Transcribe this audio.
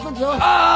ああ！